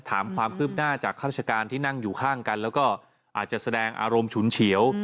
ถามความคืบหน้าจากข้าราชการที่นั่งอยู่ข้างกันแล้วก็อาจจะแสดงอารมณ์ฉุนเฉียว